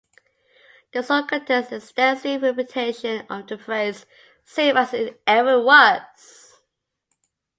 The song contains extensive repetition of the phrase "Same as it ever was".